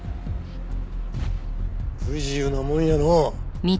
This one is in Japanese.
不自由なもんやのう。